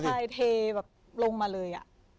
ใช่เทแบบลงมาเลย